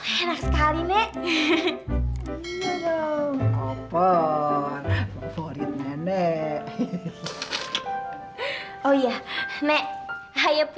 jangan coba coba mendekat